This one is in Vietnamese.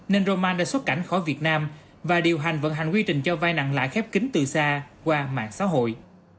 nên roman đã xuất cảnh khỏi việt nam và điều hành vận hành quy trình cho vai nặng lại khép kính từ xa qua mạng xã hội